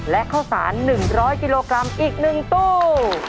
และข้าวสาร๑๐๐กิโลกรัมอีก๑ตู้